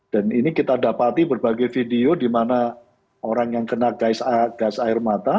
dan ini kita dapati berbagai video di mana orang yang kena gas air mata